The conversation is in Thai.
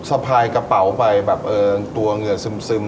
สะพายกระเป๋าไปแบบเออตัวเหงื่อซึม